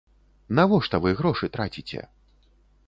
Навошта вы грошы траціце?